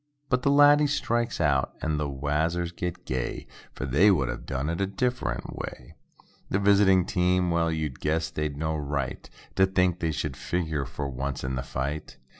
But the laddie strikes out and the wazzers get gay, For they "would a' done it a different way." The visiting team—well, you'd guess they'd no right To think they should figure for once in the fight.